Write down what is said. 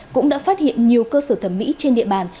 cũng đã phát hiện nhiều cơ sở thẩm mỹ trên địa bàn